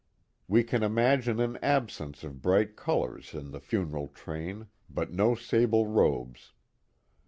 We can imagine an absence of bright colors in the funeral train, but no sable robes.